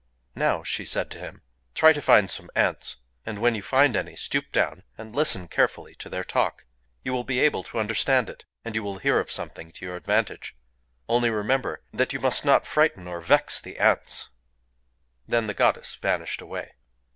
"Now," she said to him, "try to find some Ants, and when you find any, stoop down, and listen carefully to their talk. You will be able to understand it; and you will hear of something to your advantage... Only remember that you must not frighten or vex the Ants." Then the goddess vanished away.